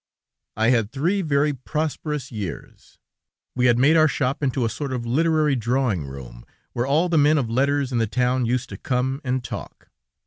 "I had three very prosperous years. We had made our shop into a sort of literary drawing room, where all the men of letters in the town used to come and talk.